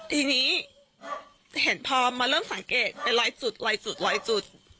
ทีนี้เลนียเห็นพอมาเริ่มสังเกตเป็นลอยจุดลายจุด